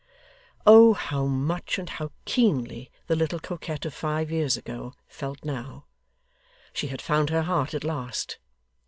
Oh how much, and how keenly, the little coquette of five years ago, felt now! She had found her heart at last.